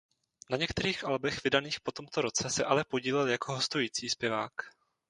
Na některých albech vydaných po tomto roce se ale podílel jako hostující zpěvák.